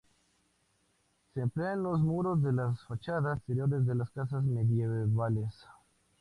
Se emplea en los muros de las fachadas exteriores de las casas medievales.